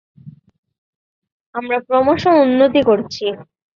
আমরা ক্রমশ উন্নতি করছি।